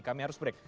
kami harus break